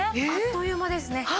あっという間ですね。